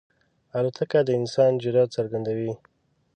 الوتکه د انسان جرئت څرګندوي.